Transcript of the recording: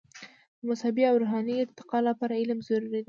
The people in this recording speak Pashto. د مذهبي او روحاني ارتقاء لپاره علم ضروري دی.